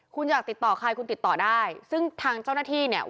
คุณอยากติดต่อใครคุณติดต่อได้ซึ่งทางเจ้าหน้าที่เนี่ย